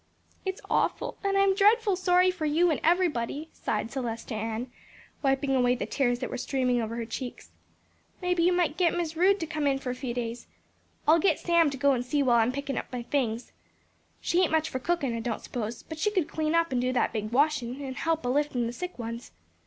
"It's awful, and I'm dreadful sorry for you and everybody," sighed Celestia Ann, wiping away the tears that were streaming over her cheeks. "Maybe you might git Mis' Rood to come in for a few days. I'll git Sam to go and see while I'm a pickin' up my things. "She ain't much for cookin' I don't suppose, but she could clean up and do that big washin', and help a liftin' the sick ones.